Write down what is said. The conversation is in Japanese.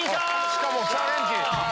しかもチャレンジ！